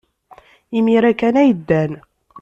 Imir-a kan ay ddan.